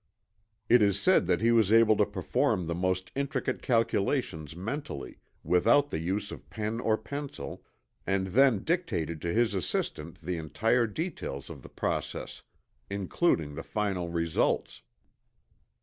It is said that he was able to perform the most intricate calculations mentally, without the use of pen or pencil, and then dictated to his assistant the entire details of the process, including the final results.